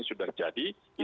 oke itu juga sangat tinggi